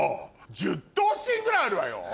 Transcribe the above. １０頭身ぐらいあるわよ。